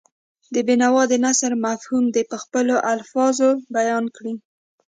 د بېنوا د نثر مفهوم دې په خپلو الفاظو بیان کړي.